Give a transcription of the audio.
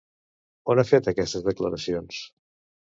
On ha fet aquestes declaracions?